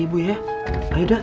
ibu aku mau